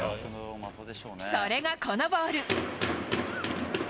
それがこのボール。